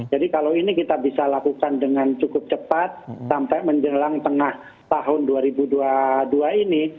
jadi kalau ini kita bisa lakukan dengan cukup cepat sampai menjelang tengah tahun dua ribu dua dua ini